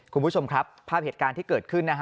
คุณผู้ชมครับภาพเหตุการณ์ที่เกิดขึ้นนะฮะ